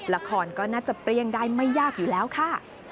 ละครก็น่าจะเปรี้ยงได้ไม่ยากอยู่แล้วค่ะ